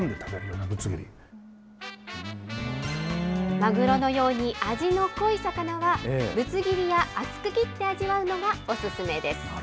マグロのように味の濃い魚は、ぶつ切りや厚く切って味わうのがお勧めです。